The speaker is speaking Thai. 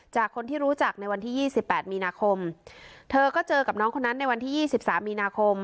จากคนที่รู้จักในวันที่ยี่สิบแปดมีนาคมเธอก็เจอกับน้องคนนั้นในวันที่ยี่สิบสามมีนาคม